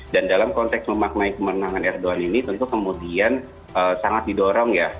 dalam konteks memaknai kemenangan erdogan ini tentu kemudian sangat didorong ya